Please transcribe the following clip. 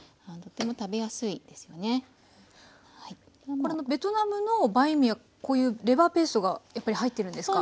これベトナムのバインミーはこういうレバーペーストがやっぱり入ってるんですか？